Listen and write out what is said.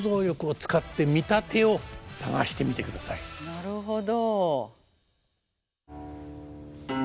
なるほど。